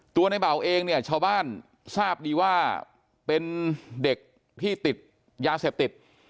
ในเบาเองเนี่ยชาวบ้านทราบดีว่าเป็นเด็กที่ติดยาเสพติด